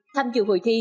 tham dự hội thi